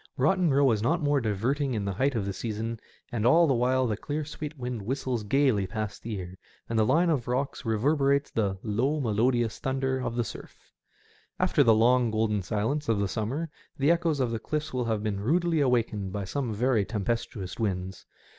Botten Bow is not more diverting in the height of the season, and all the while the clear sweet wind whistles gaily past the ear, and the line of rocks reverberates the '* low melodious thunder *' of the surf. After the long golden silence of the summer the echoes of the cliffs will have been rudely awakened by some very tempestuous winds.